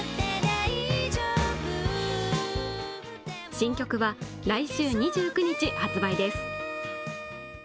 新曲は来週２９日発売です。